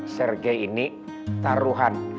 sergei ini taruhan